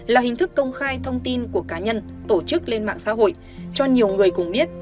là hình thức công khai thông tin của cá nhân tổ chức lên mạng xã hội cho nhiều người cùng biết